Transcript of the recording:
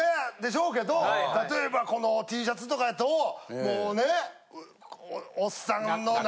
例えばこのＴシャツとかやともうね。